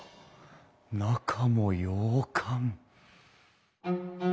中も洋館。